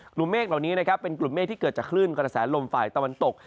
กลุ่มเมฆเหล่านี้เป็นกลุ่มเมฆที่เกิดขึ้นกับกระแสลมฝ่ายตะวันตก